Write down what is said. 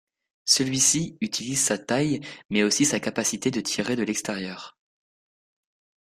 Celui-ci utilise sa taille mais aussi sa capacité de tirer de l’extérieur.